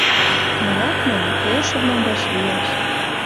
Моряквлӓн, толшывлӓм вӓшлиӓш